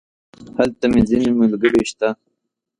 هلته مې ځينې ملګري شته.